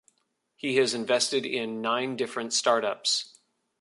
He has invested in nine different startups.